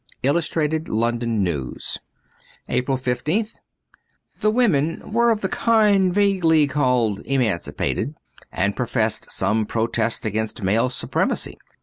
* Illustrated London News' 114 APRIL 15th THE women were of the kind vaguely called emancipated, and professed some protest against male supremacy.